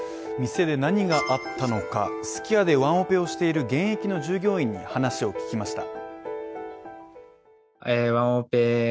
店で何があったのか、すき家でワンオペをしている現役の従業員に話を聞きました。